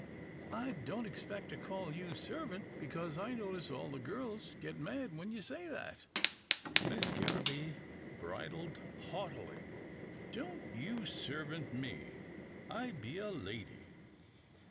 " I don't expect to call you 14 'TILDA JANE'S ORPHANS servant, because I notice all the girls get mad when you say that." Miss Garraby bridled haughtily. " Don't you servant me. I be a lady."